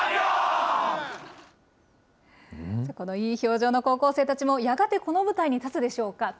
いい表情の高校生たちもやがてこの舞台に立つでしょうか。